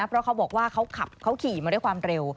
เพราะเขาบอกว่าเขาขับเขาขี่มาด้วยความเร็ว